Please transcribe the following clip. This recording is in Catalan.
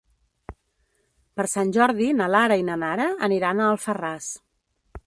Per Sant Jordi na Lara i na Nara aniran a Alfarràs.